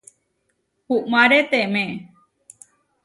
Uʼmáreteme.